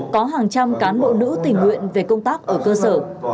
có hàng trăm cán bộ nữ tình nguyện về công tác ở cơ sở